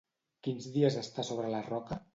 Quins dies està a sobre la roca?